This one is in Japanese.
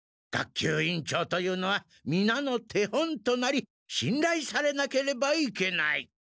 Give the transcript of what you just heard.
学級委員長というのはみなの手本となりしんらいされなければいけない。